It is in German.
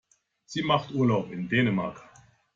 Sie macht Urlaub in Dänemark.